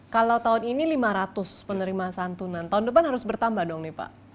kalau tahun ini lima ratus penerima santunan tahun depan harus bertambah dong nih pak